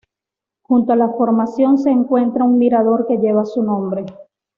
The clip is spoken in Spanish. Junto a la formación se encuentra un mirador que lleva su nombre.